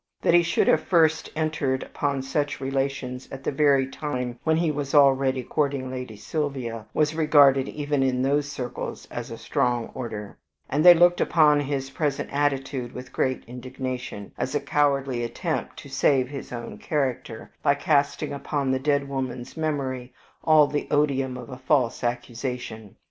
That he should have first entered upon such relations at the very time when he was already courting Lady Sylvia was regarded even in those circles as a 'strong order,' and they looked upon his present attitude with great indignation, as a cowardly attempt to save his own character by casting upon the dead woman's memory all the odium of a false accusation.